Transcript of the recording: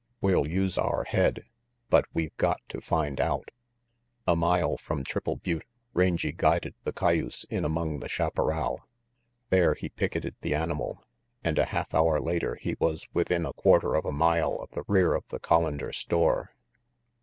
We'll use our head, but we've got to find out." A mile from Triple Butte, Rangy guided the cayuse in among the chaparral. There he picketed the animal, and a half hour later he was within a quarter of a mile of the rear of the Collander store.